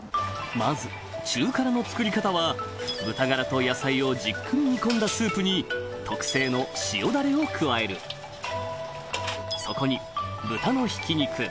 まず中辛の作り方は豚ガラと野菜をじっくり煮込んだスープに特製の塩ダレを加えるそこに豚のひき肉